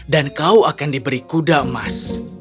kau akan diberi kuda emas